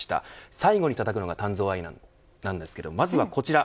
最後にたたくのが鍛造アイアンなんですけれどもまずはこちら。